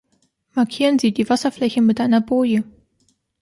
Markieren Sie die Wasserfläche mit einer Boje.